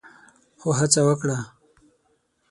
خو هڅه وکړه